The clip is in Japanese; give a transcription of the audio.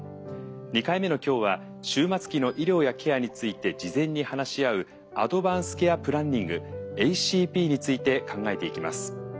２回目の今日は終末期の医療やケアについて事前に話し合うアドバンス・ケア・プランニングＡＣＰについて考えていきます。